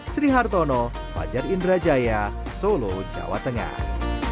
sri hartono fajar indrajaya solo jawa tengah